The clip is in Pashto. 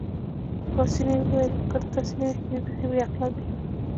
پاسیني وویل: ګرد داسې نه دي، دوی بیخي بې عقلان دي.